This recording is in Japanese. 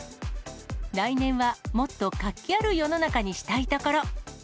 来年はもっと活気ある世の中にしたいところ。